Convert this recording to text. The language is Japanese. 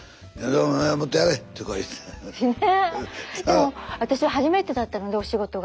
でも私初めてだったのでお仕事が。